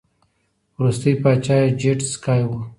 وروستی پاچا یې جیډ سکای و